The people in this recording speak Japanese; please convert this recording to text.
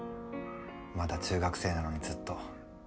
まだ中学生なのにずっと。